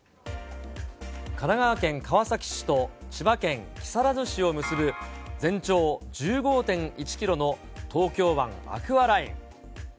神奈川県川崎市と千葉県木更津市を結ぶ全長１５．１キロの東京湾アクアライン。